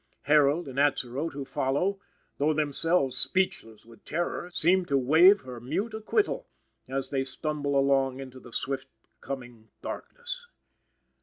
Herold and Atzerodt, who follow, though themselves speechless with terror, seem to wave her mute acquittal, as they stumble along into the swift coming Darkness.